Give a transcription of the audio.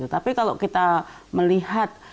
tapi kalau kita melihat